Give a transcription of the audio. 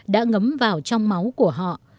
đã ngấm vào trong máu của họ